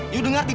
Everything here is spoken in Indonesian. ibu dengar tidak